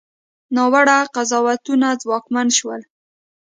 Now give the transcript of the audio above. ناوړه قضاوتونه ځواکمن شول.